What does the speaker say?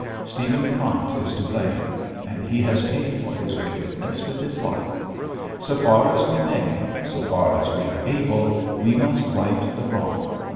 Stephen Krant is to blame; and he has paid for his wickedness with his life. So far as we may so far as we are able we must right the wrong.